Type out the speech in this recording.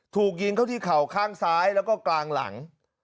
ถูกยิงเข้าที่เข่าข้างซ้ายแล้วก็กลางหลัง